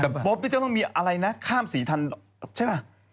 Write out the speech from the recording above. แต่ปุ๊บนี่จะต้องมีอะไรนะข้ามสีทันใช่ป่ะ